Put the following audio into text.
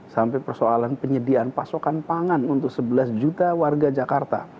sampai persoalan penyediaan pasokan pangan untuk sebelas juta warga jakarta